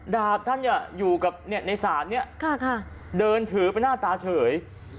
ดาบท่านอยู่ในศาลนี้เดินถือเป็นหน้าตาเฉย